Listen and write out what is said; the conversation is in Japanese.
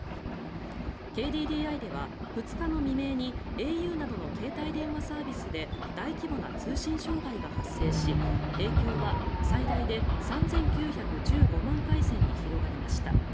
ＫＤＤＩでは、２日の未明にａｕなどの携帯電話サービスで大規模な通信障害が発生し影響は最大で３９１５万回線に広がりました。